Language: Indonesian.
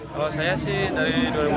kalau saya sih dari dua ribu delapan